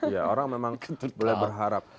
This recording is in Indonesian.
ya orang memang boleh berharap